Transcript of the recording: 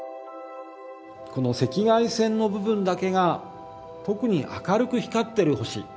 この赤外線の部分だけが特に明るく光っている星